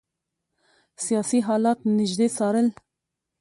سیاسي حالات له نیژدې څارل.